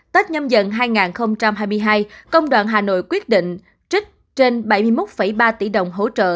tết nhâm dần hai nghìn hai mươi hai công đoàn hà nội quyết định trích trên bảy mươi một ba tỷ đồng hỗ trợ